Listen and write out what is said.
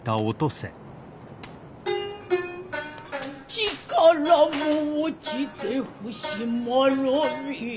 力も落ちて伏しまろい